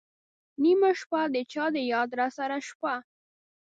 نېمه شپه ، د چا د یاد راسره شپه